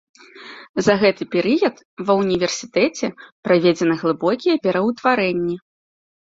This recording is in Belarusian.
За гэты перыяд ва ўніверсітэце праведзены глыбокія пераўтварэнні.